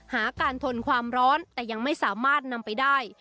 หาการทนความร้อนแต่ยังไม่สามารถนำไปได้